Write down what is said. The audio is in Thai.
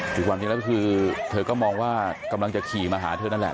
คือความจริงแล้วก็คือเธอก็มองว่ากำลังจะขี่มาหาเธอนั่นแหละ